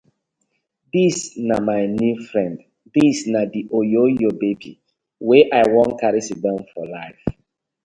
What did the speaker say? Dis na my new friend, dis na di oyoyo babi wey I won karry sidon for life.